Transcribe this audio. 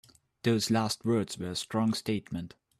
Those last words were a strong statement.